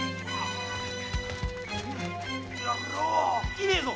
いねえぞ！